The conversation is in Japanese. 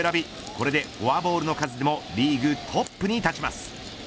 これでフォアボールの数でもリーグトップに立ちます。